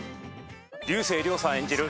竜星涼さん演じる